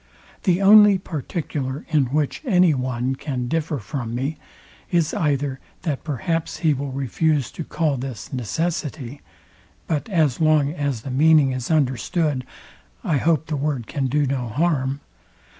The only particular in which any one can differ from me, is either, that perhaps he will refuse to call this necessity. But as long as the meaning is understood, I hope the word can do no harm.